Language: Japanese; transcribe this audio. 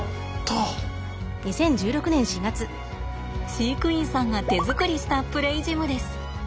飼育員さんが手作りしたプレイジムです。